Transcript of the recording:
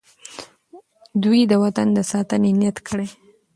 دوی د وطن د ساتنې نیت کړی.